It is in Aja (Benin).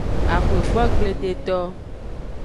Axwegbogbledeto.